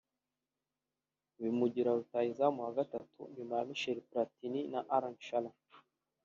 bimugira rutahizamu wa gatatu nyuma ya Michel Platini na Alan Shearer